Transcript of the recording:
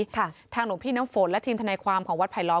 ทางหลวงพี่น้ำฝนและทีมทนายความของวัดไผลล้อ